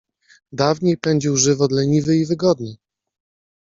Dawniej pędził żywot leniwy i wygodny.